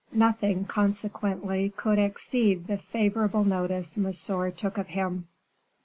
Nothing, consequently, could exceed the favorable notice Monsieur took of him.